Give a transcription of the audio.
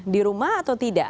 di rumah atau tidak